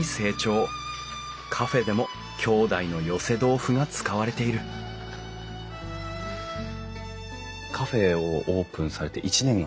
カフェでも兄弟の寄せ豆腐が使われているカフェをオープンされて１年がたったんですか？